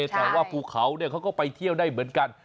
แต่ว่าภูเขาเขาก็ไปเที่ยวได้เหมือนกัน